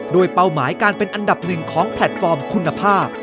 เป้าหมายการเป็นอันดับหนึ่งของแพลตฟอร์มคุณภาพ